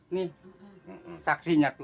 nih saksinya tuh